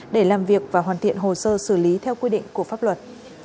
để làm việc và hoàn thiện hồ sơ xử lý theo quy định của pháp luật